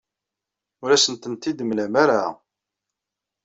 Ur asent-tent-id-temlam ara.